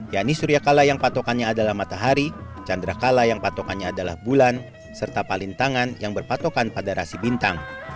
yani suryakala yang patokannya adalah matahari chandrakala yang patokannya adalah bulan serta palintangan yang berpatokan pada rasi bintang